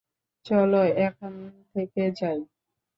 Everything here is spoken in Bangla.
চলো, এখান থেকে যাই!